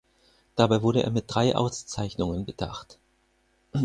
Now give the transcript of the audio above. Dabei wurde er mit drei Auszeichnungen bedacht.